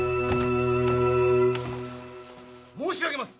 申し上げます！